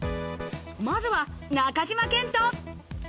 まずは中島健人。